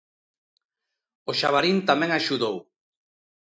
O Xabarín tamén axudou.